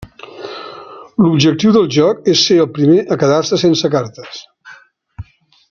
L'objectiu del joc és ser el primer a quedar-se sense cartes.